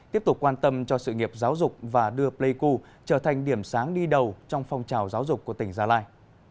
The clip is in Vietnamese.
tiếp tục quan tâm cho sự nghiệp giáo dục và đưa pleiku trở thành điểm sáng đi đầu trong phong trào giáo dục của tỉnh gia lai